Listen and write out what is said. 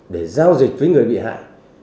để giao dịch với người bị hại